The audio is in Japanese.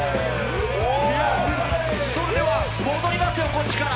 それでは、戻りますよ、こっちから。